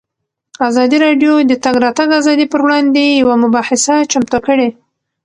ازادي راډیو د د تګ راتګ ازادي پر وړاندې یوه مباحثه چمتو کړې.